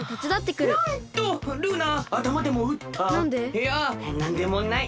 いやなんでもない。